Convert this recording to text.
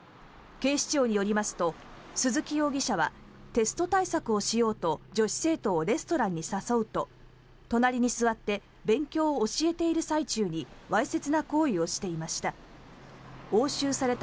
警視庁によりますと鈴木容疑者はテスト対策をしようと女子生徒をレストランに誘うと隣に座って勉強を教えている最中にわいせつな行為をしていました。